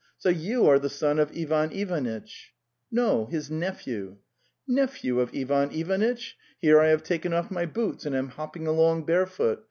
So you are the son of Ivan Ivanitch? "' No; his nephew. ...'' Nephew of Ivan Ivanitch? Here I have taken off my boots and am hopping along barefoot.